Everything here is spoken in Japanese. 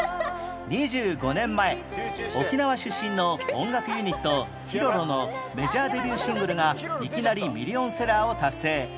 ２５年前沖縄出身の音楽ユニット Ｋｉｒｏｒｏ のメジャーデビューシングルがいきなりミリオンセラーを達成